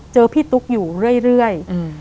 เจอพี่ตุ๊กอยู่เรื่อย